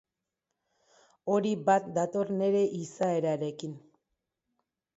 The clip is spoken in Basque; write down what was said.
Hori bat dator nire izaerarekin.